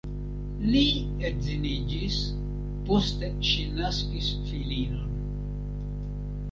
Li edziniĝis, poste ŝi naskis filinon.